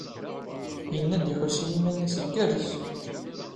Yenna-d iḥuss i yiman-is igerrez.